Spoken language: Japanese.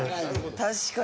確かに。